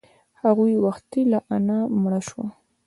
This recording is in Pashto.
هغه وختي لا انا مړه شوه.